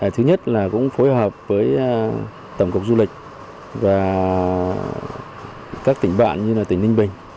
thứ nhất là cũng phối hợp với tổng cục du lịch và các tỉnh bạn như là tỉnh ninh bình